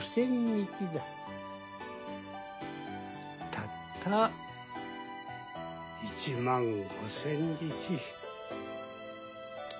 たった１万５，０００日。